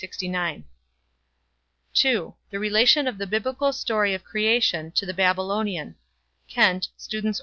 (2) The Relation of the Biblical Story of the Creation to the Babylonian. Kent, _Student's O.